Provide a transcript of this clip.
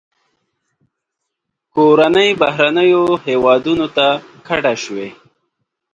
کورنۍ بهرنیو هیوادونو ته کډه شوې.